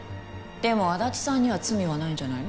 でも安達さんには罪はないんじゃないの？